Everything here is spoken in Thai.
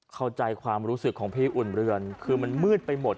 เข้าใจความรู้สึกของพี่อุ่นเรือนคือมันมืดไปหมด